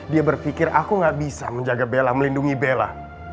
dia berpikir aku gak bisa menjaga bella melindungi bella